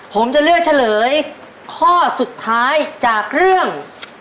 ผมจะเลือกเฉลยข้อสุดท้ายจากเรื่อง